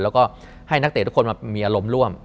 แล้วก็ให้นักเตะทุกคนมามีอารมณ์ร่วม